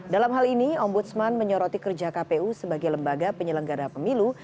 dalam hal ini ombudsman menyoroti kerja kpu sebagai lembaga penyelenggara pemilu